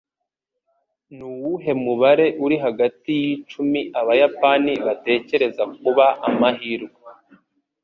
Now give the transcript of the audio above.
Nuwuhe mubare uri hagati ya Icumi Abayapani Batekereza Kuba Amahirwe